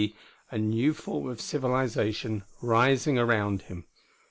D., a new form of civilization rising around him.